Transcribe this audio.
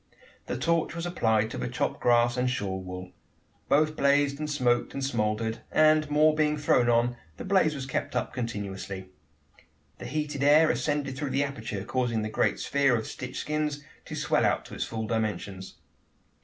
The torch was applied to the chopped grass and shawl wool. Both blazed and smoked, and smouldered; and, more being thrown on, the blaze was kept up continuously. The heated air ascended through the aperture, causing the great sphere of stitched skins to swell out to its full dimensions.